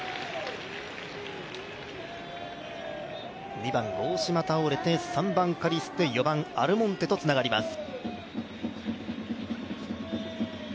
２番・大島倒れて、３番・カリステ４番・アルモンテとつながります。